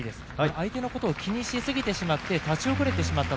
相手のことを気にしすぎてしまって立ち遅れてしまった。